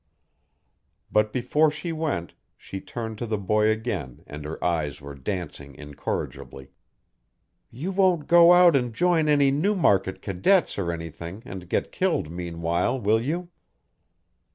But before she went she turned to the boy again and her eyes were dancing incorrigibly. "You won't go out and join any Newmarket cadets or anything and get killed meanwhile, will you?"